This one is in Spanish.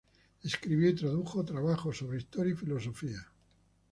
Escribió y tradujo trabajos sobre historia y filosofía.